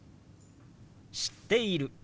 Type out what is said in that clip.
「知っている」。